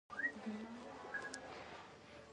پنځه اویایم سوال د پلانګذارۍ اصلونه دي.